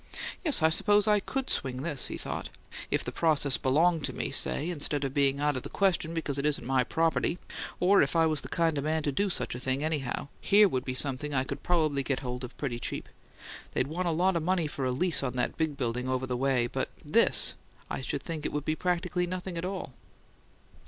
"Yes, I suppose I COULD swing this," he thought. "If the process belonged to me, say, instead of being out of the question because it isn't my property or if I was the kind of man to do such a thing anyhow, here would be something I could probably get hold of pretty cheap. They'd want a lot of money for a lease on that big building over the way but this, why, I should think it'd be practically nothing at all."